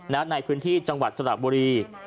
ในพื้นที่จังหวัดสระบุรี